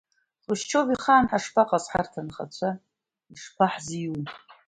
Хрушьчов ихаан ҳашԥаҟаз, ҳарҭ анхацәа ишԥаҳзиуи?